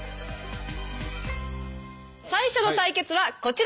最初の対決はこちら。